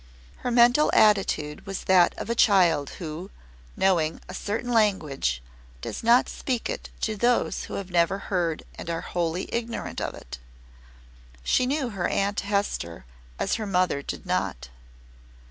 Her mental attitude was that of a child who, knowing a certain language, does not speak it to those who have never heard and are wholly ignorant of it. She knew her Aunt Hester as her mother did not.